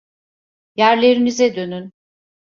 Yerlerinize dönün!